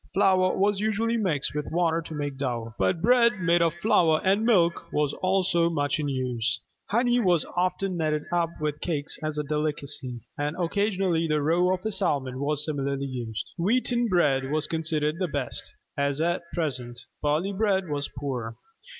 Flour was usually mixed with water to make dough: but bread made of flour and milk was also much in use. Honey was often kneaded up with cakes as a delicacy: and occasionally the roe of a salmon was similarly used. Wheaten bread was considered the best, as at present: barley bread was poor.